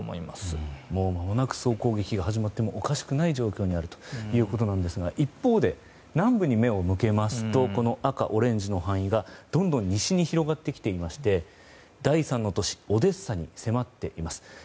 まもなく総攻撃が始まってもおかしくない状況にあるということなんですが一方で、南部に目を向けますと赤、オレンジの範囲がどんどん西に広がってきていまして第３の都市オデッサに迫っています。